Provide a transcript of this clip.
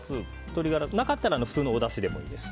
なかったら普通のおだしでもいいです。